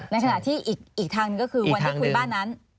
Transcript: ในขณะที่อีกทางหนึ่งก็คือวันที่คุยบ้านนั้น